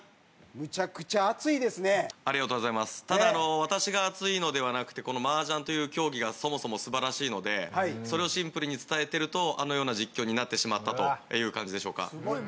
ただ私が熱いのではなくてこの麻雀という競技がそもそも素晴らしいのでそれをシンプルに伝えてるとあのような実況になってしまったという感じでしょうか。